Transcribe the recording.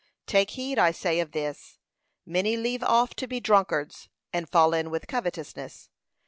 Take heed, I say, of this. Many leave off to be drunkards, and fall in with covetousness.